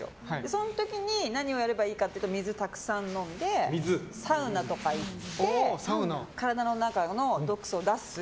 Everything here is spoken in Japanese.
その時に何をやればいいかというと水をたくさん飲んでサウナとか行って体の中の毒素を出す。